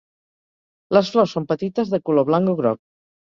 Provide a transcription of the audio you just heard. Les flors són petites de color blanc o groc.